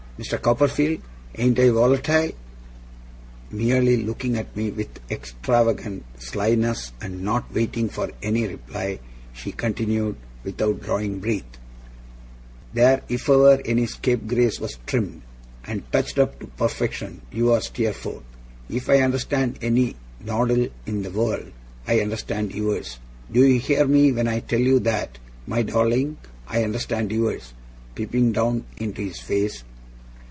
ha! Mr. Copperfield, ain't I volatile?' Merely looking at me with extravagant slyness, and not waiting for any reply, she continued, without drawing breath: 'There! If ever any scapegrace was trimmed and touched up to perfection, you are, Steerforth. If I understand any noddle in the world, I understand yours. Do you hear me when I tell you that, my darling? I understand yours,' peeping down into his face.